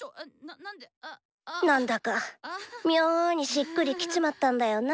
なんだか妙にしっくりきちまったんだよな。